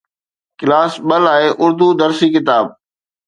class II لاءِ اردو درسي ڪتاب